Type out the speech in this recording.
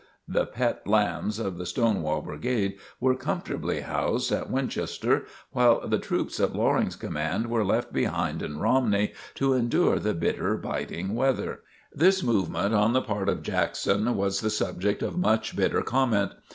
The "pet lambs" of the Stonewall Brigade were comfortably housed at Winchester while the troops of Loring's command were left behind in Romney to endure the bitter, biting weather. This movement on the part of Jackson was the subject of much bitter comment.